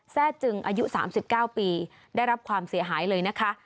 แทร่จึงอายุ๓๙ปีได้รับความเสียหายเลยนะคะ